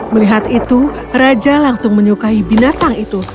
melihat itu raja langsung menyukai binatang itu